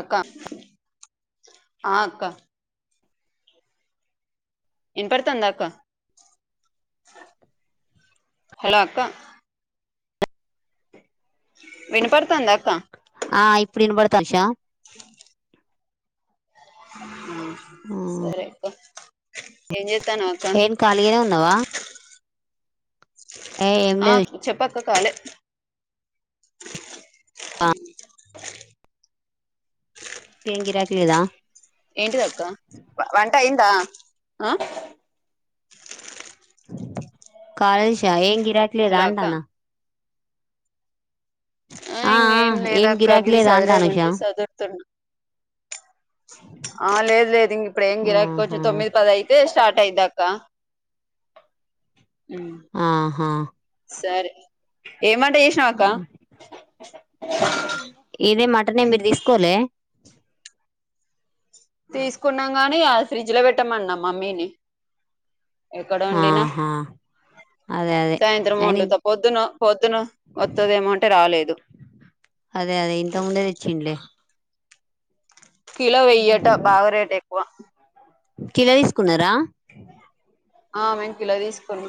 అక్కా ఆ అక్కా ఇనపడతాందా అక్క హలో అక్క వినపడతాందా అక్క ఆ ఇప్పుడు ఇనబడతాషా అ సరే అక్క ఏం చేస్తానవ్ అక్క ఏం ఖాళీగనే ఉన్నావా ఏ ఏం ఆ లేదు చెప్పక కాలే అ ఏం గిరాకి లేదా ఏంటిదక్క వంట అయిందా అ కాలేద్షా ఏం గిరాకి లేదా హలో అక్క అంటానా ఆ ఇంగ ఏం లేదక్క గిరాకి గివి లేదా అంటాను ఉషా సదిరేదుంటే సదురుతున్నా ఆ లేదు లేదు ఇంక ఇప్పుడు ఏం గరాక ఆహా కొంచెం తొమ్మిది పద అయితే స్టార్ట్ అయిందాక్క ఆహా సరే ఏమంట చేసినావక్క ఇదే మటనే మీరు తీసుకోలె తీసుకున్నాం గాని అది ఫ్రిడ్జ్ లో పెట్టమన్న మమ్మీని ఎక్కడ వండినా ఆహా అదే అదే సాయంత్రం అయిన వన్డుత పొద్దున పొద్దున వత్తదేమొ మంటే రాలేదు అదే అదే ఇంత ముందే తెచ్చింలే కిలో వెయ్యటా బాగా రేట్ ఎక్కువ కిలో తీసుకున్నారా ఆ మేం కిలో తీసుకున్నాం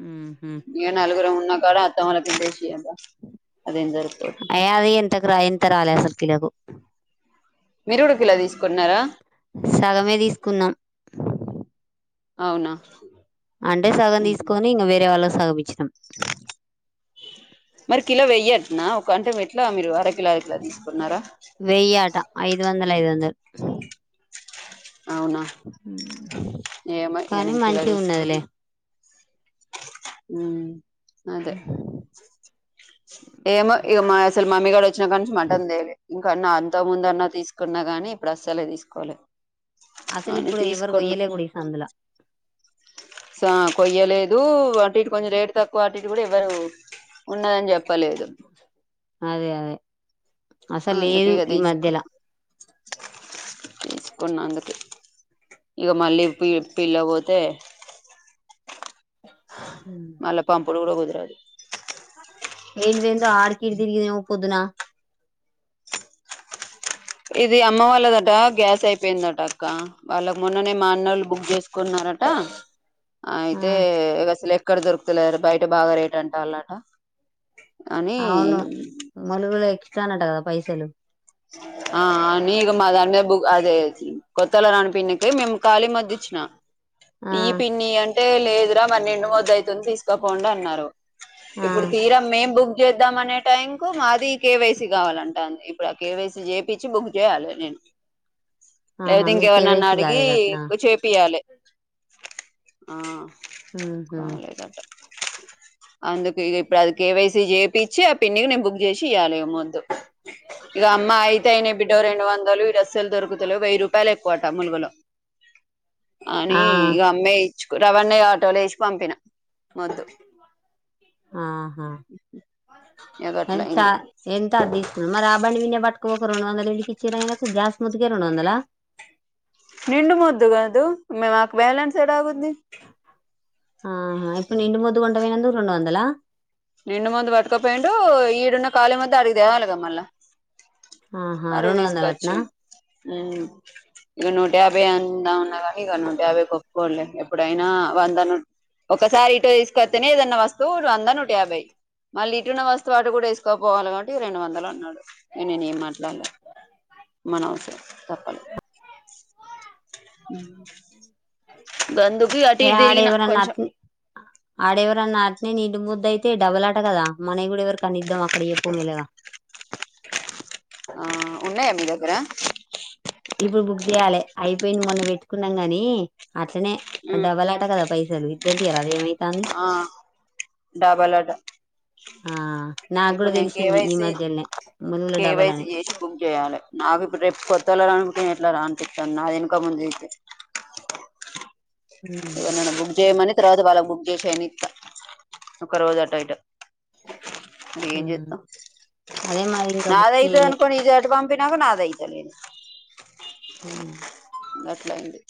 ఉమ్ హు నా కాడ అత్త వాళ్ళకింతేసిగా అదేం జరిపోద్ గ రాయింత రాలే అసలు కిలోకు మిరుడుకిలో తీసుకుంన్నారా సగమే తీసుకున్నాం అవునా అంటే సగం తీసుకొని ఇంక వేరే వాళ్ళ కి సగం ఇచ్చినాం మరి కిలో వెయ్యట్ నా ఒక అంటె ఎట్లా మీరు అరక్ కిలో అయితే తీసుకున్నారా లో ఐదువందల్ అవునా హ ఏమో ఇగ నేన్ కిలో తీస్ ఏమో ఇక మా అసలు మమ్మీగాడోచ్చిన కానుంచి మటన్ దేలే కన్నా అంతకు ముందన్నా తీసుకున్నా గాని ఇప్పుడు అస్సలే తీసుకోలే అసలు అని ఇప్పుడు ఎవరు తీసుకున్నా కొయ్యలే కుడ ఈ సందుల స కొయ్యలేదు అంటె ఈడ కొంచెం రేటు తక్కువ అటు ఇటు కూడా ఎవ్వరు ఉన్నదని చెప్ ప్పలేదు అదే అదే అసలు లేదు ఈ మధ్యల తీసుకున్నాంగది ఇక మళ్ళీ పి పిల్ల పోతు తే హ ఇపుడుకూడా కుదరదు ఎందెందో ఆడ్కి ఈడ్కి దిరిగినావ్ పుద్నా అ ఇది అమ్మ వాళ్ళదట గ్యాస్ అయిపోయిందట అక్క వాళ్ళకి మొన్ననే మా అన్నలు బుక్ చేసు కున్నారట ఆ అయితే ఇగ అసలే ఇక్కడ దొరుకుతలేరు బయట బాగా రేట్ అంటా వాళ్ళట అవును మలుగులకి ఇచ్చనటగా పైసలు ఆ నీకు మాదాన్ మీద బు అదే కొత్తల నాన్ పిన్ టె మేము ఖాళీ మద్ ఇచ్చిన ఆ ఈ పిన్ని అంటే లేదురా మరి నిండు ముద్ద అయితుంది తీస్ కా కొంటా అన్నారు ఆ ఇప్పుడు తీర మేమ్ బుక్ చేద్దాం అనే టైం కు మాది కేవైసీ కావాలమ్టన్ది ఇప్పుడు కేవైసి జేపిచ్చి బుక్ జేయాలే నేను ఆహా లేకపోతే మీరు ఇంకెవరినన్నా కేవైసీ అడిగి కాలేదటనా చేపియ్యాలే ఆ ఉహు కాలేద అంట అందు ఇప్పుడు అది కేవైసి చేపిచ్చి ఆ పిన్నీకి నేను బుక్ చేసి ఇయ్యాలి మొద్దు ఇగా అమ్మ అయితే అయినయి బిడ్డో రెండు వందలు ఈ అస్సలు దొరుకుతలేవు వెయ్యి రూపాయలు ఎక్కువట ములుగులో అని ఆ ఇగా అమ్మాయి ఇచ్చ రవన్న ఆటోలో వేసి పంపిన మొద్దు ఆహా ఇగ గట్ల ఎంత అయింది చ ఎంత అ మరి ఆ బండి విన్న పట్టుకపోక రెండు వందల ఎందుకు ఎచ్చిర్రు అయినాకు గ్యాస్ మొద్దుకె రెండు వందలా నిండు మొద్దు కాదు మే మాకు బ్యాలెన్స్ ఎడ అగుద్ది ఆహా ఇప్పుడు నిండు మొద్దు కొంట పోయినాందుకు రెండు వందల నిండు మొద్దు పట్టుకపోయిండు ఈడున్న ఖాళీ మొద్దు అడిగి తేవలిగా మళ్ళా ఆహా మరి రెండు వందలటనా తీసుకొచ్చిండు ఉ ఇగా నూట యాభై అందా ఉన్న గాని నూట యాభై కి ఒప్పుకోడులే ఎప్పుడైనా వంద ను ఒకసారి ఇటు తీసుకొస్తతేనే ఏదన్నా వస్తువు వంద నూట యాభై మళ్ళీ ఇటున్న వస్తువు ఆటు కూడా ఏసుకోపోవాలి కాబట్టి రెండు వందలు అన్నాడు ఇక నేను ఏం మాట్లాడలే మనా అవసరం తప్పలే హ్ గందుకు ఇగ అటు ఏ ఇటు ఆడ తిరిగిన కొంచం ఇడ నా అట్ట్నె నిండు మొద్దు అయితే డబల్లా ఆట కదా మనయి కూడా ఎవరీ కన్న ఇద్దాం అక్కడ చెప్పు మెల్లగా అట్టే ఆ ఉన్నాయా మీ దగ్గర ఇప్పుడు బుక్ చేయ్యాలి అయిపోయింది. మొన్న పెట్టుకున్నాం గాని అట్లనే డబ్బలా ఆట కదా పైసలు ఇత్త తీయ రాదు ఏమైతంది. ఆ డబాలట ఆ నాకు ఇప్పుడు కూడా నేను తెలిసింది ఈ కేవైసి మధ్యలనే ములుగుల డబల్ కేవైసి అని చేసి బుక్ చేయాలి నాకు ఇప్పుడు రేపు కొత్తల నేను ఎట్లా రా ఆనిపిత్తంది. నాది ఏనుక ముందు ఐతే ఉమ్, ఎవరనీ ఆన్న బుక్ జేయ మని తరూవా ఇవాళ బుక్ చేసి అయినిత్త ఒక రోజు అటు ఇటు ఇగా ఏం ఉమ్. చెత్తం అదే మాది ఇంకా బుక్ నాదయితది చేయలే అనుకోనీ ఇది అటు పంపి పంపినక నాదైతలేదు ఉ గాట్ల అయింది.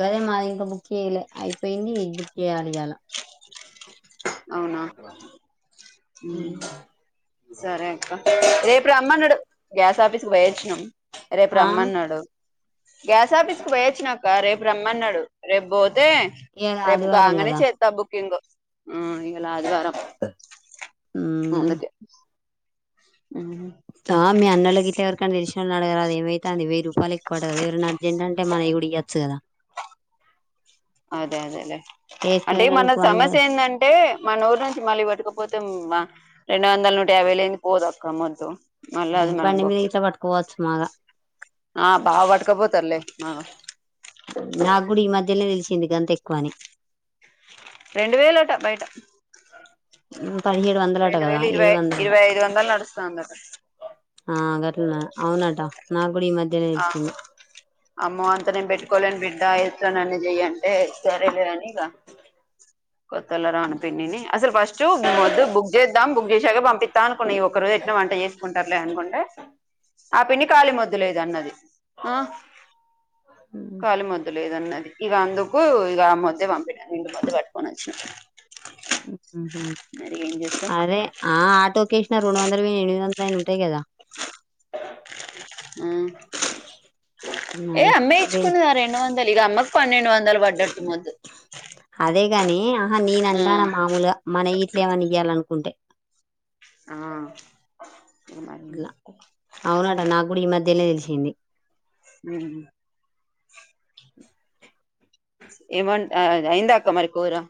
గదే మాది ఇంకా బుక్ చేయలే అయిపోయింది. బుక్ చేయ్యలే ఇయ్యాల అవునా హ్ సరే అక్క రేపు రామ్మన్నాడు గ్యాస్ ఆఫీస్ కు పోయొచ్చినం రేపు ఆ రమ్మన్నాడు గ్యాస్ ఆఫీస్ కు పోయొచ్చినాక్క రేపు రమ్మన్నాడు రేపు బో అదే ఇయాల రేపు ఆదివారం కంగానే కదా చేత్త బుకింగ్ హ్ ఈయల్ల అదివారం ఉమ్. అందుకే ఉమ్ ఆ మీ అన్నల గిట్ట ఎవరికైన తెలిసిననోళ్లను అడుగరాదు అది ఏమైతంది వేయి వాళ్ళు ఎక్కువ ఆడగారు ఎవరన్న అర్జెంట్ అంటే మనయి కుడ ఇయ్యచ్చు కదా అదే అదేలే అంటే మన ఏసుకుపోయినందుకు వంద సమస్య ఏంటంటే మన ఊరు నుంచి మళ్ళీ పట్టుకుపో లేకపోతే మా రెండు వందల నూట యాభైలేంది పోదు అక్క మొద్దు మళ్ళీ అది మనకు బండి మీది బొక్కే గిట్లా పట్కపోవచ్చు మాగా ఆ భావ పట్కపోతడులే మాగ నాకు కూడా ఈ మధ్యనే తెలిసింది గంత ఎక్కువ అని రెండు వేయిలటా బయట మ్ పదిహేడు వందలట రెండు కదా వేలు ఏడు ఇరవై వందలట ఇరవై ఐదు వందలు నడుస్తాందట ఆ గట్లన అవునట నాక్ టేనే ఆ ఇచ్చింది అమ్మో అంత నేను పెట్టుకోలేను బిడ్డ ఎట్నన్న చెయంటే సరేలే అని తే కొత్తల రాను పిన్నిని అసలు ఫస్ట్ మొద్దు బుక్ ఇద్దాం బుక్ చేసైతే పంపిస్తా అనుకున్నా ఈ ఒక్క రోజు ఎట్లానో వంట చేసుకుంటారులే అనుకుంటే ఆ పిన్ని ఖళి మొద్దులేదన్నది ఆ హ్మ్. కాలీ మొద్దులేదన్నది ఇగ అందుకు ఇగ మొద్దే పంపిింన నిండు మొద్దు పట్టుకొనోచ్చిన మ్ హు చేస్తాం అరే ఆ ఆటో కేషిన రెండు వందలు పోఇన ఏనామీది వందలైన ఉంటై కదా మ్ ఏ అవి అమ్మె వే ఇచ్చుకున్నది అ రెండు వందలు ఇగ అమ్మకు పన్నెండు వందలు పడ్డట్టు మొద్దు అదే గాని ఆహా ఆ నేనంట నా మామూలుగ మనఇ గిట్లే ఏమన్నా ఇయాలనుకుంటే ఆ ట్ల అవునట నా గుడి ఈ మధ్యనే తెలిసి ంది మ్ ఏమన్ అ ఐందా అక్క మరికురా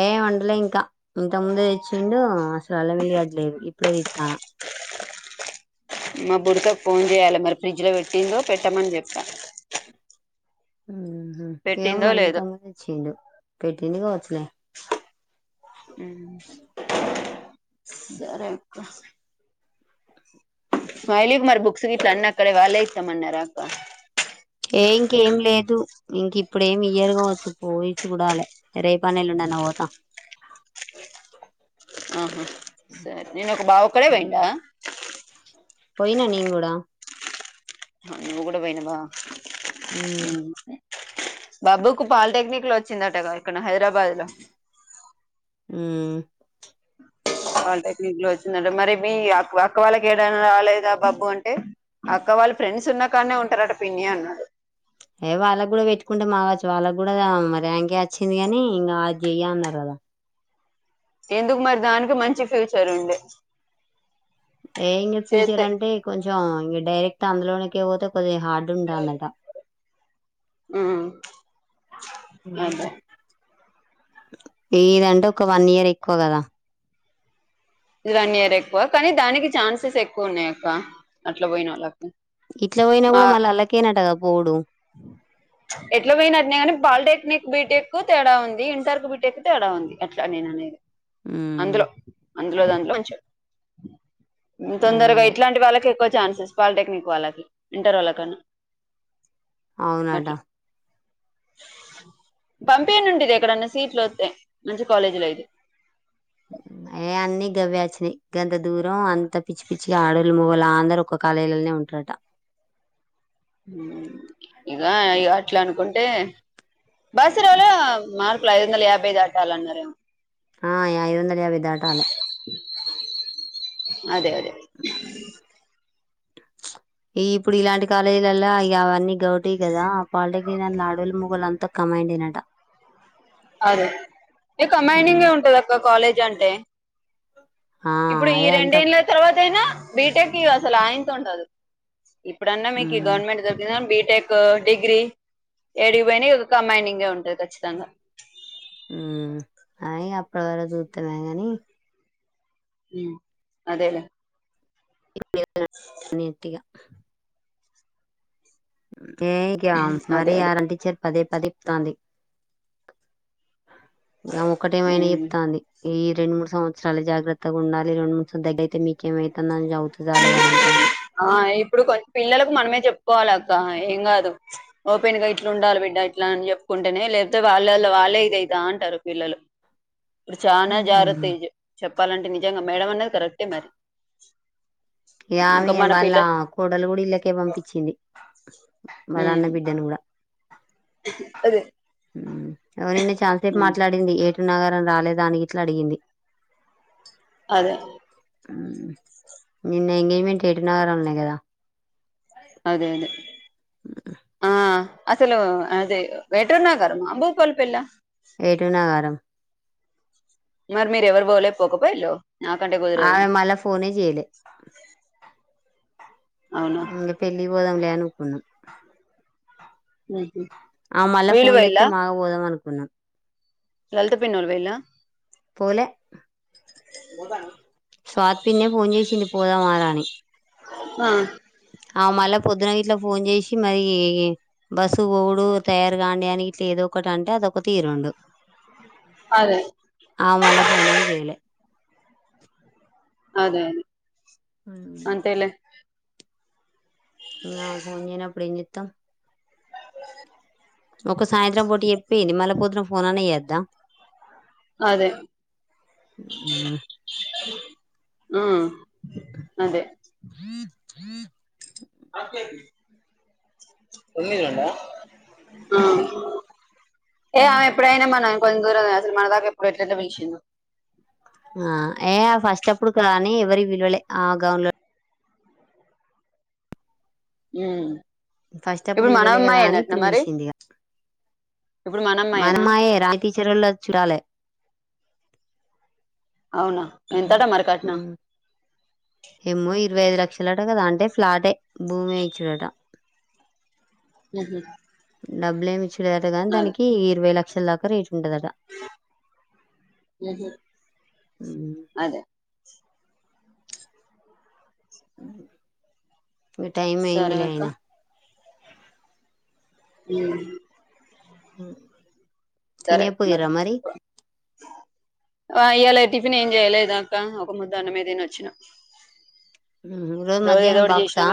ఏ వండలే ఇంకా ఇంత ముందే తెచ్చిండు అసలు అల్ల వెలిగట్లేదు ఇప్పుడే తిస్తాన మా బుడుతకు ఫోన్ చేయాలే మరి ఫ్రిడ్జ్ లో పెట్టిందో పెట్టామని చెప్పా ఏవో పెట్టిందో మరి లేదో ఇంతకు ముం తెచ్చేండు పెట్టింది కోవచ్చులే మ్ సరే అక్క స్ైలీకి మారి బుక్స్ గిట్లా అన్ని అక్కడ వాళ్ళే ఇస్తామన్నరా అక్క ఏ ఇంకేం లేదు ఇంక ఇప్పుడు ఏమి ఇయరు కావచ్చు పోయి చూడాలే రేపన్న ఎల్లుండన్న పోతా ఆహా సరే నేన్ ఒక బావ ఒక్కడే పోయిడా పోయినా నిను కూడా అ నువ్ కూడ పోైనావా మ్ బాబ్బుకు పాలిటెక్నిక్ లో వచ్చిందటగా ఎక్కడనో హైదరాబాద్ లో మ్ పాలిటెక్నిక్ లో వచ్చిందట మరి మీ అ అక్క వాళ్ళకి ఏడైనా రాలేదా బాబ్బు అంటే అక్క వాళ్ళు ఫ్రెండ్స్ ఉన్నా కాన్నే ఉంటారట పిన్ని అన్నాడు ఎ వాళ్ళకి కూడా పెట్టుకుంటే మాగచ్చు వాళ్ళకి కూడా ర్యాంకే వచ్చింది గానీ ఇంగ అది చెయ్య అన్నారు కదా ఎందుకు మరి దానికి మంచి ఫ్యూచర్ ఉండే ఏ ఇంగ ఫ్యూచర్ చేస్తే అంటే కొంచెం ఇంగ డైరెక్ట్ అందులోనీకె పోతే కొద్దిగా హార్డుంటంది అట అదే ఇదంటే ఒక వన్ ఇయర్ ఎక్కువ కదా ఇది వన్ ఇయర్ ఎక్కువ కానీ దానికి ఛాన్సెస్ ఎక్కువ ఉన్నాయి అక్క అట్లా పోయిన వాళ్ళకు ఇట్లా పోయినా కూడా మళ్ళీ అల్లకెనంటగా పోవుడు ఎట్లా పోయిన అట్లే కానీ పాలిటెక్నిక్ బీటెక్ కు తేడా ఉంది ఇంటర్ కు బీటెక్ తేడా ఉంది ఎట్లా నేను అనేది ఉమ్ అందులో అందులో దాంట్లో మంచ్ అదే తొందరగా అదే ఇట్లాంటి వాళ్ళకి ఎక్కువ చాన్సెస్ పాలిటెక్నిక్ వాళ్ళకి ఇంటర్ వొళ్ళ కన్నా అవును అడా పంపి నుండిది ఎక్కడన్నా సీట్లు వత్తే మంచి కాలేజీ లో ఇది ఏ అన్ని గవే వచ్చినాయి గంత దూరం అంత పిచ్చి పిచ్చికి అడోల్లు మొగుళ్ళు అందరూ ఒక కాలేజ్ లోనే ఉంటారంట ఉ ఇగా అట్లా అనుకుంటే బాసరాలో మార్కులు ఐదు వందల యాభై దాటాలన్నారు ఏమో ఆ ఐదు వందల యాభై దాటాలే అదే అదే ఈ ఇప్పుడు ఇలాంటి కాలేజీలలో ఇగా అవన్నీ గౌటి కదా పాలిటెక్నిక్ దాంట్లో అడోల్లు మొగుళ్ళు అంతా కాబైండే నట అదే ఏ ఉమ్, కంబైడింగ్ ఏ ఉంటది అబ్బా కాలేజ్ అంటే ఆ ఇప్పుడు ఈ అదే అంతా రెండేళ్ళ తర్వాత అయినా బీటెక్ ఇగ అసలు అయెంత ఉండదు ఇప్పుడన్నా మీకు ఈ ఉమ్ గవర్నమెంట్ దొరికినా బి టెక్ డిగ్రీ యాటికిపోయినా ఒక కంబైడింగ్ ఉంటది ఖచ్చితంగా ఉ అ ఇగ అప్పుడు చుత్తా లే కానీ ఉ అదేలే [inaudible] చెత్త ఇగ అదే అదే [unintelligible] టీచర్ పదే పదే తాంది ఆమె ఒకటే మైనా ఉమ్ చెప్తాంది ఈ రెండు మూడువత్సరాల జాగ్రత్తగా ఉండాలి రెండు [unintelligible] అయితే మీకే మేలు ఆ ఇప్పుడు కొం పిల్లలకు మనమే చెప్పుకోవాలి ఏం కాదు ఓపెన్ గా ఇట్లా ఉండాలి బిడ్డ ఇట్లా అని చెప్పుకుంటేనే లేకపోతే వాళ్ళలో వాళ్ళే ఇదైతే టా అంటారు పిల్లలు ఇప్పుడు చాలా జాగ్రత్తాగా చెప్పాలంటే నిజంగా మేడం అన్నది కరెక్టే మరి ఇ ఇంకా ఆమె మన వాళ్ళ పిల్ల కోడలు కూడా ఇళ్ళకే పంపించింది మరీ ఉమ్ అన్న బిడ్డను కూడా అదే ఉ అవు నిన్న చానాసేపు మాట్లాడింది ఏటు నాగారం రాలేదానికి ఇట్లా అడిగింది అదే ఉ నిన్న ఎంగేజ్మెంట్ ఏటు నాగారం లోనే కదా అదే అదే ఆ అసలు అది ఏటు నాగరమా భూపాలపల్లి ఆ ఏటు నాగరం మరి మీరు ఎవరు పోలే పోకపోయేల్లు ఆమె మల్లా ఫోన్ ఏ చేయలే అవునా ఇంగా పెళ్లికి పోదాంలే అనుకున్న ఉహు ఆ మళ్ళా వీళ్ళు ఫోన్ చేస్తే పోయిల్లా బాగా పోదాం అనుకున్నాం లలిత పిన్ని వాళ్లు పోయిల్ల పోలే స్వాతి పిన్ని ఫోన్ చేసింది పోదామా రా అని ఆ ఆ మళ్ళా పొద్దున గిట్లా ఫోన్ చేసి మరి బస్సుకి పోవుడు తయారు గాండి అన్ని ఇట్లా ఏదో ఒకటి అంటే అదొక తీరుండు అదే ఆ మళ్ళ ఫోనే చేయలే అదే అదే అంతేలే ఇంగ ఆమె ఫోన్ చేయనప్పుడు ఎం చేత్తం ఒక సాయంత్రం పూట‌ చెప్పేంది మళ్ళ పొదున ఫోన్ అనా చెయ్యొద్దా అదే హ్మ్ అదే హ ఆకే ఉన్నిజన్నా ఏ ఆమె ఎప్పుడైనా మనం కొంచెం దూరమే అసలు మన దాకా ఇప్పుడు ఎట్లా పిలిచిందో ఆ ఏ ఆ ఫస్ట్ అప్పుడుగా అని ఎవరిని పిలవలే ఆ గౌన్ లో హ్మ్ ఫస్ట్ అప్పుడు పిళ్ళవలే కదా అని ఇప్పుడు పిలిచింది ఇగ ఇప్పుడు మన అమ్మాయేనా మనమయే రాయి టీచ్చరోల చుటాలే అవునా ఎంతట మరి కట్నం ఏమో ఇరవై ఐదు లక్షల అట కదా అంటే ఫ్లాటే భూమే ఇచుడట మ్మ్ హూ డబ్బులేమి ఇచులేరట కానీ దానికి ఇరవై లక్షల దాకా రె అదే మీ టైం అయింది సరే లే అక్క ఐనా హ్మ్ తినే అక్క పోయిరా మరి ఆ ఇయాలా టిఫిన్ ఏం చేయలేదక్క ఒక ముద్ద అన్నమే తినొచ్చినా మ్మ్ హూ రోజు మధ్యాహ్నం బాక్సా